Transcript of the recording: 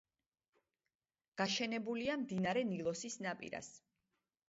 გაშენებულია მდინარე ნილოსის ნაპირას.